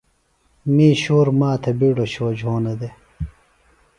می شُور ما تھےۡ بِیڈوۡ شو جھونہ دےۡ